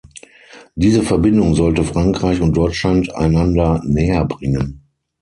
Diese Verbindung sollte Frankreich und Deutschland einander näherbringen.